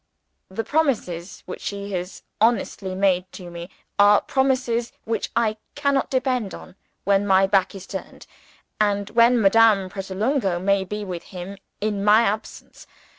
"The promises which he has honestly made to me, are promises which I cannot depend on when my back is turned, and when Madame Pratolungo may be with him in my absence.